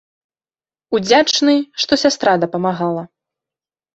Удзячны, што сястра дапамагала.